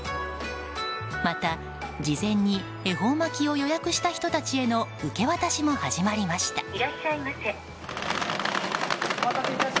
また事前に恵方巻きを予約した人たちへの受け渡しも始まりました。